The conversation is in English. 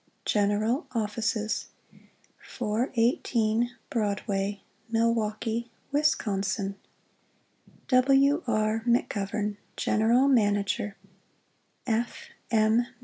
GENERAL OFFICES 418 Broadway, Milwaukee, Wisconsin W. R. McGOVERN, GeneralManager F. M.